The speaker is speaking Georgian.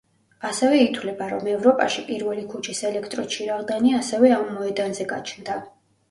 ასევე ითვლება, რომ ევროპაში პირველი ქუჩის ელექტრო ჩირაღდანი ასევე ამ მოედანზე გაჩნდა.